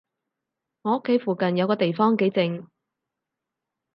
我屋企附近有個地方幾靜